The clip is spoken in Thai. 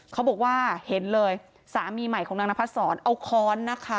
เขาบอกว่าเห็นเลยสามีใหม่ของนางนพัดศรเอาค้อนนะคะ